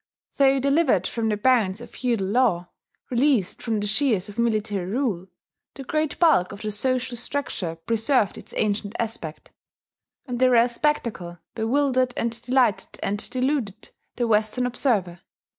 Though delivered from the bonds of feudal law, released from the shears of military rule, the great bulk of the social structure preserved its ancient aspect; and the rare spectacle bewildered and delighted and deluded the Western observer.